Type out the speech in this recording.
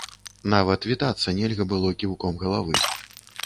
Нават вітацца нельга было кіўком галавы.